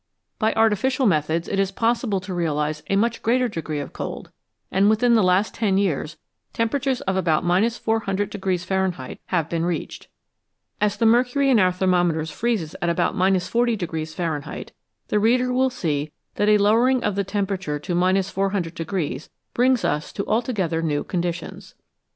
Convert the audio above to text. By artificial methods it is possible to realise a much greater degree of cold, and within the last ten years temperatures of about 400 Fahrenheit have been reached. As the mercury in our thermometers freezes at about 40 Fahrenheit, the reader will see that a lowering of the temperature to 400 brings us to altogether new conditions.